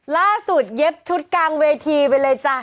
ล่าสุดเย็บชุดกลางเวทีไปเลยจ๊ะ